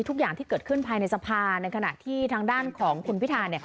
ทุกอย่างที่เกิดขึ้นภายในสภาในขณะที่ทางด้านของคุณพิธาเนี่ย